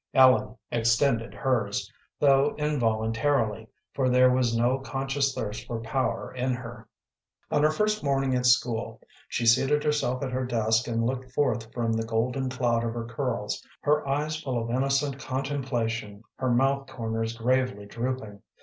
Ellen extended hers, though involuntarily, for there was no conscious thirst for power in her. On her first morning at school, she seated herself at her desk and looked forth from the golden cloud of her curls, her eyes full of innocent contemplation, her mouth corners gravely drooping.